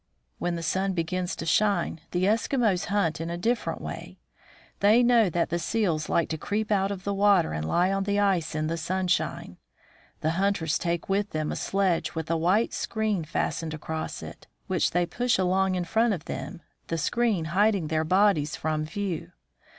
When the sun begins to shine, the Eskimos hunt in a different way. They know that the seals like to creep out of the water and lie on the ice in the sunshine. The hunters take with them a sledge with a white screen 4 8 THE FROZEN NORTH fastened across it, which they push along in front of them, the screen hiding their bodies from view.